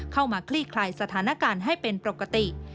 คลี่คลายสถานการณ์ให้เป็นปกติ